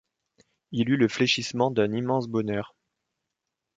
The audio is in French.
Il eut le fléchissement d’un immense bonheur.